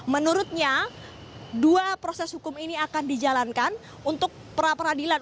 menurutnya dua proses hukum ini akan dijalankan untuk pra peradilan